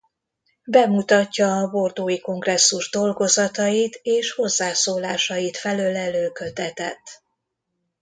Bemutatja a bordeaux-i kongresszus dolgozatait és hozzászólásait felölelő kötetet.